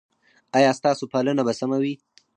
ایا ستاسو پالنه به سمه وي؟